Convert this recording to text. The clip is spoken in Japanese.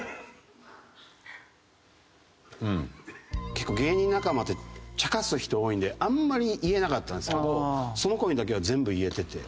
結構芸人仲間ってちゃかす人多いんであんまり言えなかったんですけどその子にだけは全部言えてて。